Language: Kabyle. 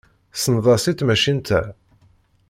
Tessneḍ-as i tmacint-a?